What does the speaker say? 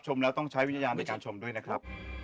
แล้วต้องใช้วิญญาณในการชมด้วยนะครับ